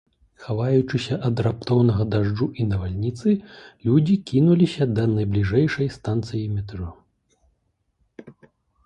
Хаваючыся ад раптоўнага дажджу і навальніцы, людзі кінуліся да найбліжэйшай станцыі метро.